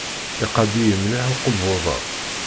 Iqadd-iyi mliḥ ukebbuḍ-a.